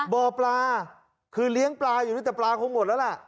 บ่อปลาคือเลี้ยงปลาอยู่ด้วยแต่ปลาคงหมดแล้วล่ะ